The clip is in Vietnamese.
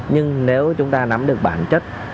nhưng nếu chúng ta nắm được bản chất